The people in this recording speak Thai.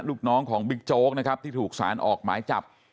ลูกน้องของบิ๊กโจ๊กนะครับที่ถูกสารออกหมายจับ